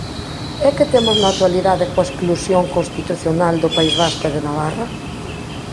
¿E que temos na actualidade coa exclusión constitucional do País Vasco e de Navarra?